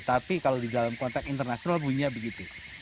tapi kalau di dalam konteks internasional bunyinya begitu